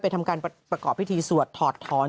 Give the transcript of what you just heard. ทำการประกอบพิธีสวดถอดถอน